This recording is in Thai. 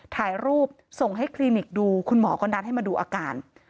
ถ่ายรูปส่งให้คลินิกดูคุณหมอก็นัดให้มาดูอาการ